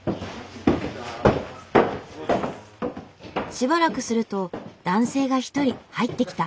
しばらくすると男性が一人入ってきた。